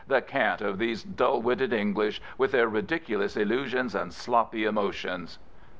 " The cant of these dull witted English, with their ridiculous illusions and sloppy emotions."